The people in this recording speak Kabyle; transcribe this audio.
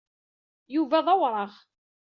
Yuba d awraɣ.